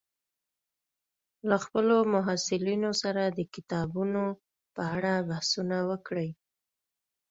له خپلو محصلینو سره د کتابونو په اړه بحثونه وکړئ